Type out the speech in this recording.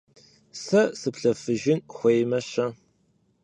Сэ сыплъэфыжын хуеймэ-щэ?